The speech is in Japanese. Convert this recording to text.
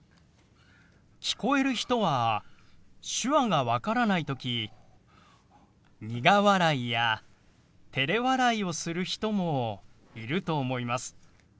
聞こえる人は手話が分からない時苦笑いやてれ笑いをする人もいると思います。